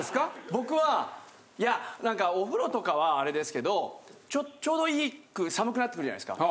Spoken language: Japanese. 僕はいやなんかお風呂とかはあれですけどちょうどいいく寒くなってくるじゃないですか。